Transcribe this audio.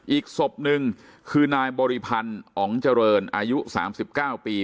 อีกศพหนึ่งคือนายบริพันธ์อำเจริญอายุสามสิบเก้าปี